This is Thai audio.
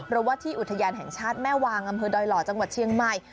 เพราะว่าที่อุทยานแห่งชาติแม่วางอำเภอดอยหล่อจังหวัดเชียงใหม่